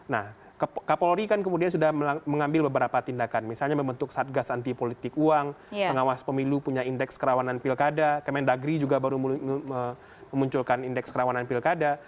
nah kapolri kan kemudian sudah mengambil beberapa tindakan misalnya membentuk satgas anti politik uang pengawas pemilu punya indeks kerawanan pilkada kemendagri juga baru memunculkan indeks kerawanan pilkada